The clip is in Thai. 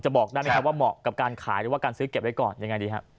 บอกได้ไหมครับว่าเหมาะกับการขายหรือว่าการซื้อเก็บไว้ก่อนยังไงดีครับ